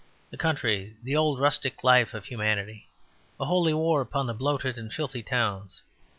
The country! the old rustic life of humanity! A holy war upon the bloated and filthy towns.